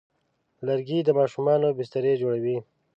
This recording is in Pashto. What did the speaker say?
لرګی د ماشومانو بسترې جوړوي.